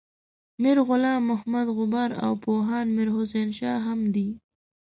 میر غلام محمد غبار او پوهاند میر حسین شاه هم دي.